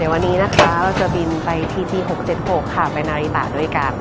วันนี้นะคะเราจะบินไปที่ที่๖๗๖ค่ะไปนาริตะด้วยกัน